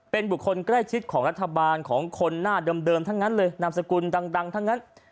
เป็นบุคคลใกล้ชิดของรัฐบาลของคนหน้าเดิมทั้งนั้นเลยนามสกุลดังทั้งนั้น